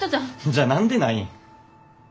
じゃあ何でない？